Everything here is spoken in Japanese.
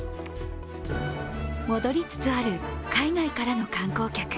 戻りつつある海外からの観光客。